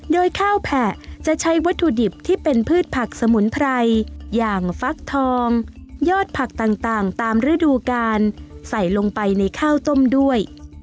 โดยข้าวแผะจะใช้วัตถุดิบที่เป็นพืชผักสมุนไพรอย่างฟักทองยอดผักต่างตามฤดูกาลใส่ลงไปในข้าวต้มด้วย